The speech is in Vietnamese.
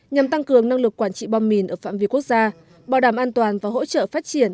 nhằm tăng cường năng lực quản trị bom mìn ở phạm vi quốc gia bảo đảm an toàn và hỗ trợ phát triển